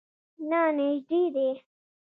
نه، نژدې دی